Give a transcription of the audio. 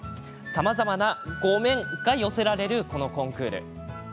さまざまな、ごめんが寄せられるこのコンクール。